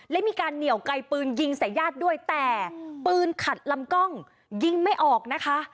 และมีการเหนียวไกลปืนยิงใส่ญาติด้วยแต่ปืนขัดลำกล้องยิงไม่ออกนะคะ